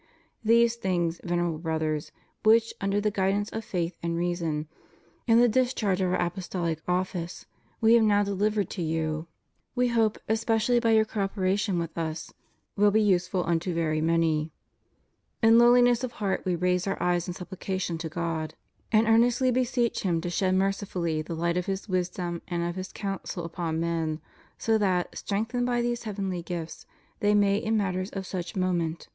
These things, Venerable Brothers, which, under the guidance of faith and reason, in the discharge of Our Apostolic office, We have now delivered to you, We hope, especially by your co operation with Us, will be useful unto very many. In lowliness of heart We raise Our eyes in supplication to God, and earnestly beseech Him to shed mercifully the light of His wisdom and of Hia counsel upon men, so that, strengthened by thes« heavenly gifts, they may in matters of such moment HUMAN LIBERTY.